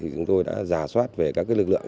chúng tôi đã giả soát về các lực lượng